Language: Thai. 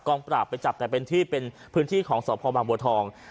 ปราบไปจับแต่เป็นที่เป็นพื้นที่ของสพบางบัวทอง